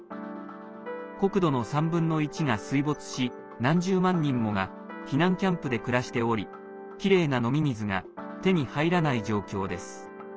国土の３分の１が水没し何十万人もが避難キャンプで暮らしておりきれいな飲み水が手に入らない状況です。